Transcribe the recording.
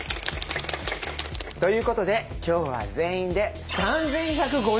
ということで今日は全員です